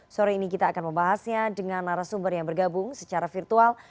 sore ini kita akan membahasnya dengan narasumber yang bergabung secara virtual